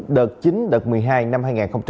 đợt chín đợt một mươi hai năm hai nghìn hai mươi